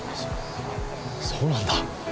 そそうなんだ。